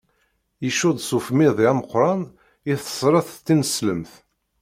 Icudd s ufmiḍi ameqqran i tesreṭ tineslemt.